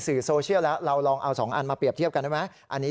โซเชียลแล้วเราลองเอา๒อันมาเปรียบเทียบกันได้ไหม